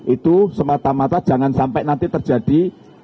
itu semata mata jangan sampai nanti terjadi